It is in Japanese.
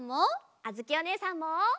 あづきおねえさんも！